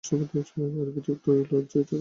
অভিযুক্ত ওই লজেই থাকত।